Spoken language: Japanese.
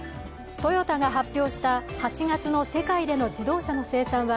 トヨタが発表した８月の世界での自動車の生産は